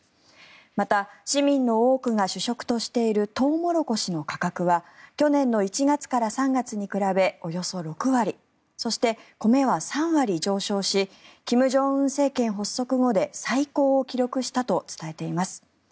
また、市民の多くが主食としているトウモロコシの価格は去年の１月から３月に比べおよそ６割そして、米は３割上昇し金正恩政権発足後で最高を記録したと伝えています。